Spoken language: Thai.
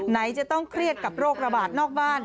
ไหนจะต้องเครียดกับโรคระบาดนอกบ้าน